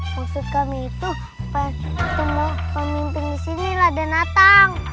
maksud kami itu kita mau memimpin di sini raden atang